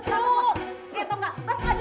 gue gak peduli